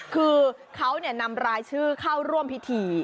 คือเขานำรายชื่อเข้าร่วมพิธี